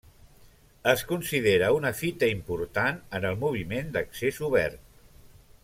Es considera una fita important en el moviment d'accés obert.